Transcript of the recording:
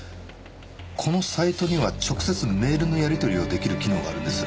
このサイトには直接メールのやり取りを出来る機能があるんです。